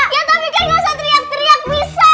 ya tapi kan gak usah teriak teriak bisa